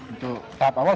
untuk tahap awal